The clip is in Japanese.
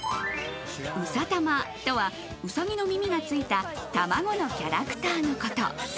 うさたまとはウサギの耳がついたタマゴのキャラクターのこと。